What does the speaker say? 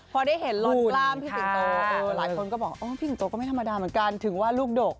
พอได้เห็นลอนกล้ามพี่สิงโตหลายคนก็บอกพี่สิงโตก็ไม่ธรรมดาเหมือนกันถึงว่าลูกดก